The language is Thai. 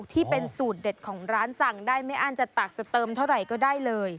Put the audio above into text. ที่เป็นสูตรเด็ดของร้านสั่งได้ไม่อั้นจะตักจะเติมเท่าไหร่ก็ได้เลย